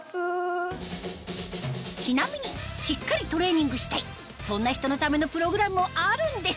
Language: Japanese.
ちなみにしっかりトレーニングしたいそんな人のためのプログラムもあるんです